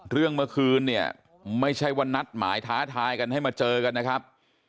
เรื่องเมื่อคืนเนี่ยไม่ใช่ว่านัดหมายท้าทายกันให้มาเจอกันนะครับ